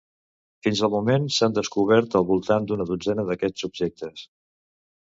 Fins al moment s'han descobert al voltant d'una dotzena d'aquests objectes.